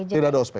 tidak ada ospec